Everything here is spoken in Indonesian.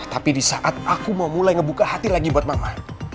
tapi di saat aku mau mulai ngebuka hati lagi buat mama